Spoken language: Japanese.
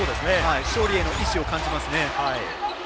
勝利への意思を感じますね。